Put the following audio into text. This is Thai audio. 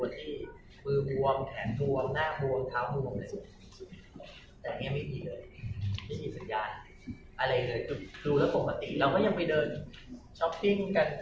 คือดูแล้วปกติเราก็ยังไปเดินช้อปปิ้งกัน